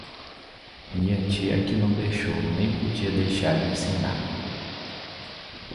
Minha tia é que não deixou nem podia deixar de ensinar